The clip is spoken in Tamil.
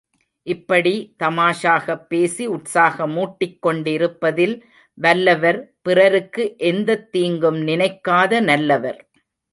இப்படி தமாஷாகப் பேசி உற்சாகமூட்டிக் கொண்டிருப்பதில் வல்லவர் பிறருக்கு எந்தத் தீங்கும் நினைக்காத நல்லவர்.